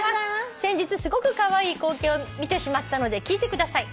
「先日すごくカワイイ光景を見てしまったので聞いてください」